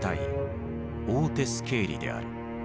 オーテス・ケーリである。